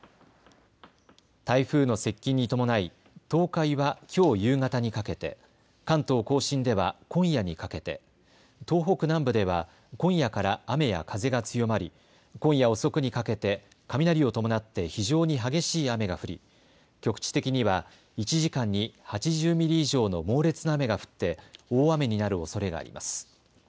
台風の接近に伴い東海はきょう夕方にかけて、関東甲信では今夜にかけて、東北南部では今夜から雨や風が強まり今夜遅くにかけて雷を伴って非常に激しい雨が降り局地的には１時間に８０ミリ以上の猛烈な雨が降って大雨になるおそれがあります。